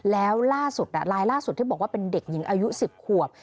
แล้วล่าสุดลายล่าสุดที่บอกว่าเป็นเด็กหญิงอายุ๑๐ขวบ